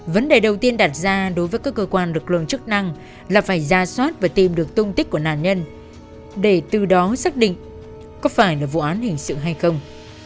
vấn đề đầu tiên đặt ra đối với các cơ quan lực lượng chức năng là phải ra soát và tìm được tung tích của nạn nhân để từ đó xác định có phải là vụ án hình sự hay không